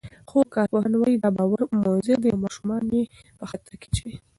خو کارپوهان وايي، دا باور مضر دی او ماشومان یې په خطر کې اچوي.